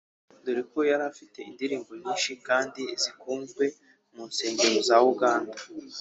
dore ko yari afite indirimbo nyinshi kandi zikunzwe mu nsengero za Uganda